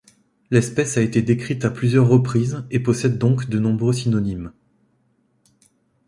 L'espèce a été décrite à plusieurs reprises et possède donc de nombreux synonymes.